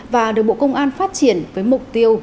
và được bộ công an phát triển với mục tiêu